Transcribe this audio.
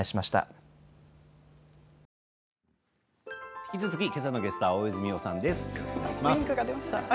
引き続きけさのゲストは、大泉洋さんです。